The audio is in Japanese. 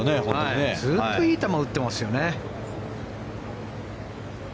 ずっといい球打ってますよね。